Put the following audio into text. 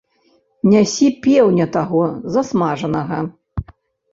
Нясі пеўня таго засмажанага.